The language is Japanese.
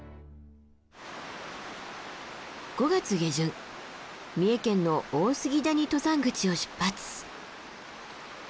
５月下旬三重県の大杉谷登山口を出発。